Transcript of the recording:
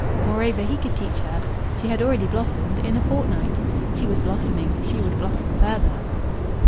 Moreover, he could teach her. She had already blossomed in a fortnight. She was blossoming. She would blossom further.